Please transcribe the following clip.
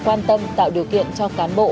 quan tâm tạo điều kiện cho cán bộ